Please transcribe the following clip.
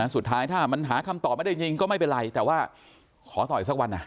สุดท้ายถ้ามันหาคำตอบไม่ได้ยิงก็ไม่เป็นไรแต่ว่าขอต่ออีกสักวัน